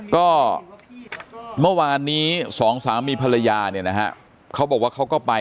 ก็เมื่อวานนี้สองสามีภรรยาเนี่ยนะฮะเขาบอกว่าเขาก็ไป